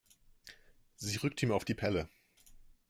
Sie rückt ihm auf die Pelle.